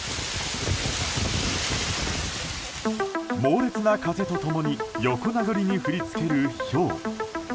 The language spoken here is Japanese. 猛烈な風と共に横殴りに吹き付けるひょう。